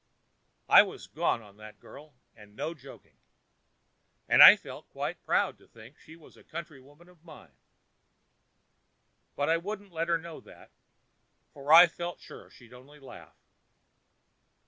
I was gone on that girl, and no joking; and I felt quite proud to think she was a countrywoman of mine. But I wouldn't let her know that, for I felt sure she'd only laugh.